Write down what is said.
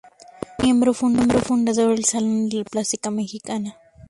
Fue miembro fundador del Salón de la Plástica Mexicana.